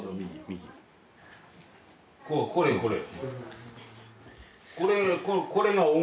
これこれ。